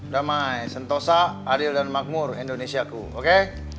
damai sentosa adil dan makmur indonesia ku oke